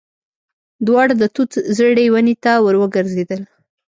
دواړه د توت زړې ونې ته ور وګرځېدل.